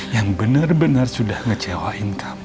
yang bener bener sudah ngecewain kamu